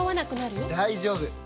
大丈夫！